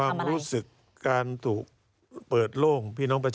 การเลือกตั้งครั้งนี้แน่